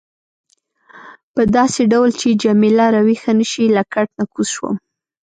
په داسې ډول چې جميله راویښه نه شي له کټ نه کوز شوم.